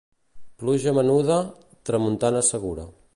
Pluja menuda, tramuntana segura.